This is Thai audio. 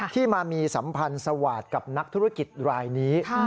ที่มามีสัมพันธ์สวาสตร์กับนักธุรกิจรายนี้